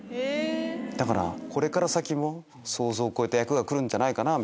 だからこれから先も想像を超えた役が来るかなぁ。